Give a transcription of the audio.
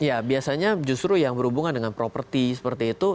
ya biasanya justru yang berhubungan dengan properti seperti itu